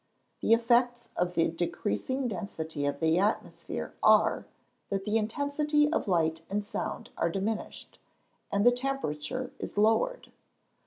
The effects of the decreasing density of the atmosphere are, that the intensity of light and sound are diminished, and the temperature is lowered.